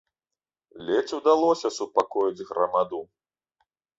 Ледзь удалося супакоіць грамаду.